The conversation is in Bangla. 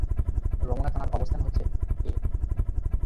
রমনা থানার অবস্থান হচ্ছে -এ।